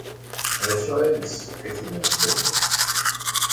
D acu ay yessefk ad t-id-nesseww?